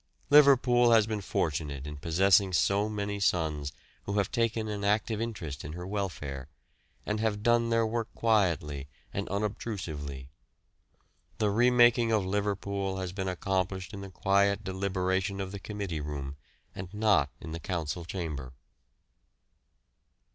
Liverpool has been fortunate in possessing so many sons who have taken an active interest in her welfare, and have done their work quietly and unobtrusively. The re making of Liverpool has been accomplished in the quiet deliberation of the committee room, and not in the council chamber.